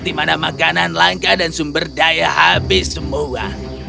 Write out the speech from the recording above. di mana makanan langka dan sumber daya habis semua